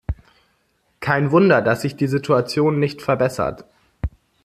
Kein Wunder, dass sich die Situation nicht verbessert.